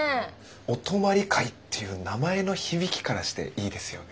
「お泊まり会」っていう名前の響きからしていいですよね。